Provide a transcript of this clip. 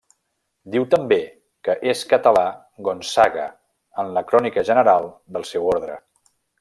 Diu també que és català Gonzaga, en la Crònica general del seu orde.